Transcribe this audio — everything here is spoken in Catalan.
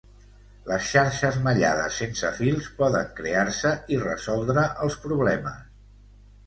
Les xarxes mallades sense fils poden crear-se i resoldre els problemes.